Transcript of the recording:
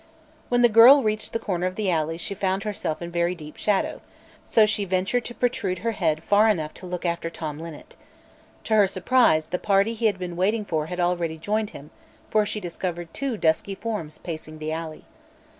When the girl reached the corner of the alley she found herself in very deep shadow; so she ventured to protrude her head far enough to look after Tom Linnet. To her surprise the party he had been waiting for had already joined him, for she discovered two dusky forms pacing the alley.